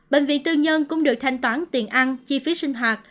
bệnh viện tư nhân cũng được thanh toán tiền ăn chi phí sinh hoạt